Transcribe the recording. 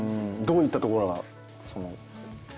どういったところが。